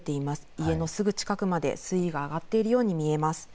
家のすぐ近くまで水位が上がっているように見えます。